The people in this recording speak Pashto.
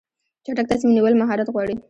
چټک تصمیم نیول مهارت غواړي.